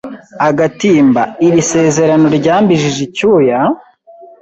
agatimba); iri sezerano ryambijije icyuya!